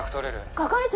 係長！？